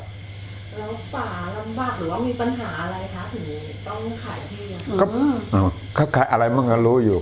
แล้วป่าลำบากหรือว่ามีปัญหาอะไรคะถึงต้องขายที่